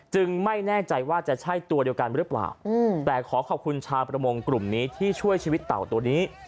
ไม่แน่ใจว่าจะใช่ตัวเดียวกันหรือเปล่าแต่ขอขอบคุณชาวประมงกลุ่มนี้ที่ช่วยชีวิตเต่าตัวนี้